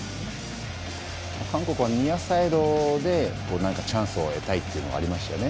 韓国はニアサイドで何かチャンスを得たいというのがありましたね